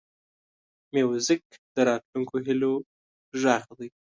موزیک د راتلونکو هیلو غږ دی.